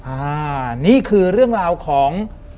อ่านี่คือเรื่องราวของ